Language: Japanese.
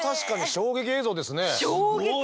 衝撃映像です。